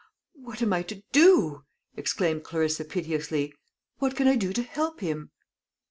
"What am I to do!" exclaimed Clarissa piteously; "what can I do to help him?"